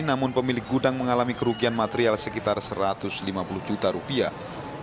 namun pemilik gudang mengalami kerugian material sekitar satu ratus lima puluh juta rupiah